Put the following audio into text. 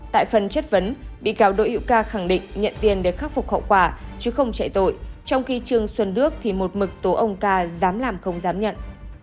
tại phần chất vấn bị cáo đỗ hữu ca khẳng định nhận tiền để khắc phục hậu quả chứ không chạy tội trong khi trương xuân đức thì một mực tố ông ca dám làm không dám nhận